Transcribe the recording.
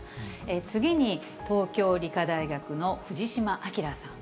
次に、東京理科大学の藤嶋昭さん。